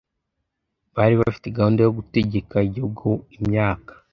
bari bafite gahunda yo gutegeka igihugu imyaka